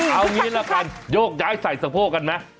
เอางี้ละกันโยกย้ายใส่สะโพกกันไหม